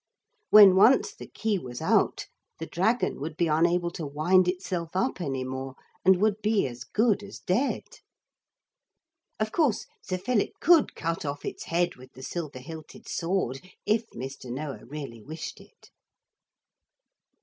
When once the key was out the dragon would be unable to wind itself up any more, and would be as good as dead. Of course Sir Philip could cut off its head with the silver hilted sword if Mr. Noah really wished it.